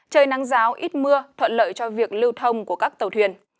trời nắng ráo ít mưa thuận lợi cho việc lưu thông của các tàu thuyền